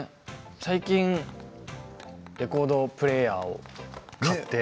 最近レコードプレーヤーを買って。